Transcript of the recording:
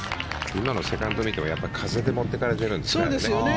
今のセカンドを見ても風で持っていかれてるんですね。